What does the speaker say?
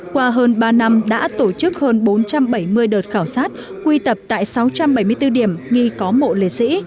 qua hơn ba năm đã tổ chức hơn bốn trăm bảy mươi đợt khảo sát quy tập tại sáu trăm bảy mươi bốn điểm nghi có mộ liệt sĩ